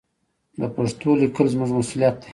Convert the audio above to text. د پښتو لیکل زموږ مسوولیت دی.